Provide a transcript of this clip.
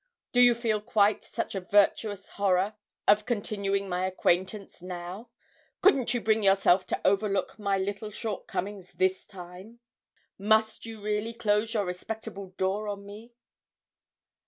Do you feel quite such a virtuous horror of continuing my acquaintance now? Couldn't you bring yourself to overlook my little shortcomings this time? Must you really close your respectable door on me?'